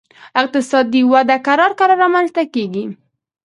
اقتصادي وده کرار کرار رامنځته کیږي